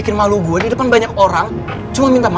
karena kalau kilar ini gak memproduksi suara